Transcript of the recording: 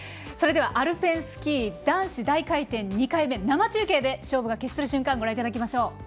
それでは、アルペンスキー男子大回転２回目生中継で勝負が決する瞬間ご覧いただきましょう。